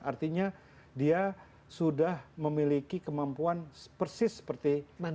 artinya dia sudah memiliki kemampuan persis seperti manusia